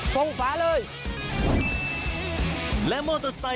การหมายได้